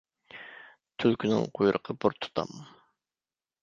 تۈلكىنىڭ قۇيرۇقى بىر تۇتام.